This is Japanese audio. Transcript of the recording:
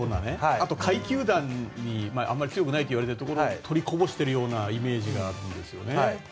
あと下位球団にあまり強くないといわれていて取りこぼしているイメージがあるんですよね。